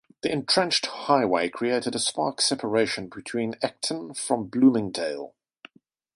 The entrenched highway created a stark separation between Eckington from Bloomingdale.